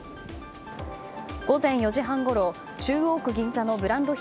午前４時半ごろ中央区銀座のブランド品